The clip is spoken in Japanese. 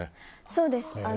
そうです。